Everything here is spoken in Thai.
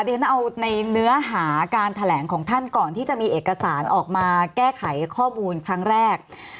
เดี๋ยวฉันเอาในเนื้อหาการแถลงของท่านก่อนที่จะมีเอกสารออกมาแก้ไขข้อมูลครั้งแรก